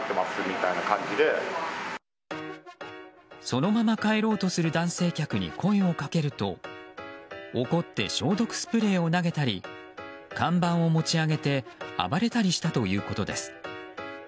そのまま帰ろうとする男性客に声をかけると怒って消毒スプレーを投げたり看板を持ち上げて暴れたりしたということです。